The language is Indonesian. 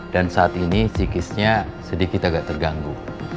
dan saat ini psikisnya sedikit agak terganggu